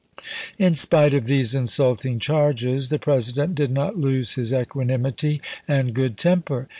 Ibid In spite of these insulting charges the President did not lose his equanimity and good temper.